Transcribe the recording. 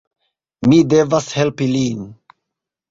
Mi devas helpi lin.